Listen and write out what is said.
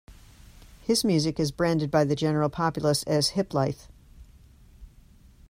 His music is branded by the general populace as hiplife.